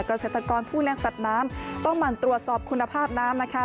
เกษตรกรผู้เลี้ยงสัตว์น้ำต้องหมั่นตรวจสอบคุณภาพน้ำนะคะ